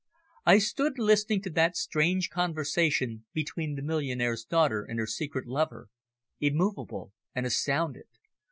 I stood listening to that strange conversation between the millionaire's daughter and her secret lover, immovable and astounded.